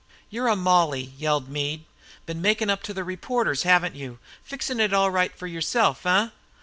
"You're a Molly!" yelled Meade. "Been makin' up to the reporters, haven't you? Fixin' it all right for yourself, eh?